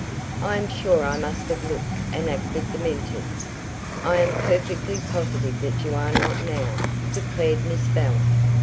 I am sure I must have looked and acted demented." "I am perfectly positive that you are not now," declared Miss Bell.